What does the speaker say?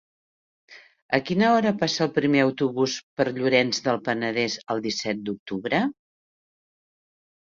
A quina hora passa el primer autobús per Llorenç del Penedès el disset d'octubre?